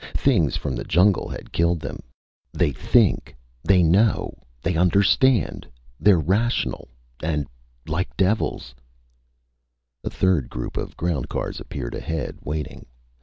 Things from the jungle had killed them! They think! They know! They understand! They're rational, and like devils "A third group of ground cars appeared ahead, waiting.